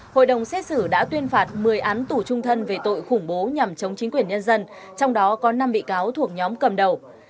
hội đồng xét xử đã tuyên phạt một mươi án tù trung thân về tội khủng bố nhằm chống chính quyền nhân dân trong đó có năm bị cáo thuộc nhóm cầm đầu